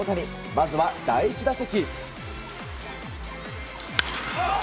まずは第１打席。